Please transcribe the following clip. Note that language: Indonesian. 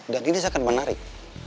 dan ini sangat menarik